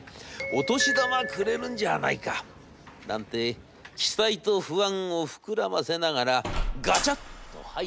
お年玉くれるんじゃないか？』なんて期待と不安を膨らませながらガチャっと入った社長室。